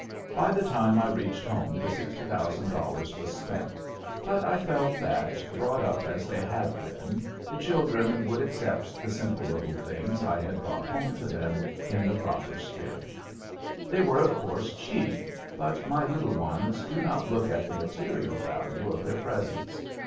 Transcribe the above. By the time I reached home the $60,000 was spent, but I felt that, brought up as they had been, the children would accept the simple little things I had brought home to them in the proper spirit. They were, of course, cheap, but my little ones do not look at the material value of their presents.